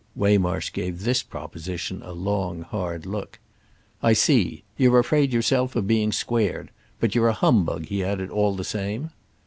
Waymarsh gave this proposition a long hard look. "I see. You're afraid yourself of being squared. But you're a humbug," he added, "all the same."